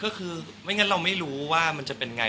ก็คือไม่งั้นเราไม่รู้ว่ามันจะเป็นไง